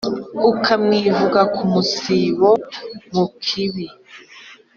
ukamwivuga ku musibo, mu kibi